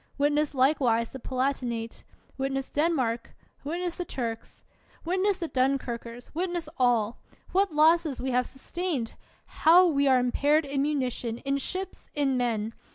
) Witness likewise the Palatinate ! Wit ness Denmark ! Witness the Turks ! Witness the Dunkirkers! Witness all! What losses we have sustained ! How we are impaired in munition, in ships, in men